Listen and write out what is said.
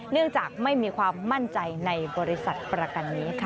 เนื่องจากไม่มีความมั่นใจในบริษัทประกันนี้ค่ะ